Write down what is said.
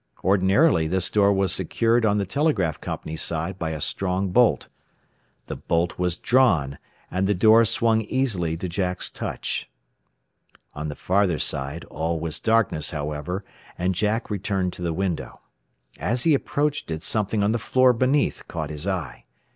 Ordinarily this door was secured on the telegraph company's side by a strong bolt. The bolt was drawn, and the door swung easily to Jack's touch! On the farther side all was darkness, however, and Jack returned to the window. As he approached it something on the floor beneath caught his eye.